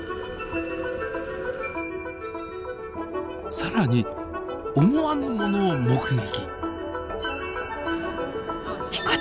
更に思わぬものを目撃。